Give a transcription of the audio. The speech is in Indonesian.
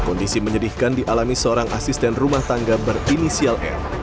kondisi menyedihkan dialami seorang asisten rumah tangga berinisial r